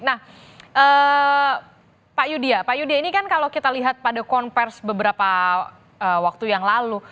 nah pak yudi ya pak yudi ini kan kalau kita lihat pada konvers beberapa waktu yang lalu